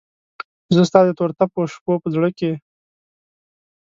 زه ستا دتوروتپوشپوپه زړه کې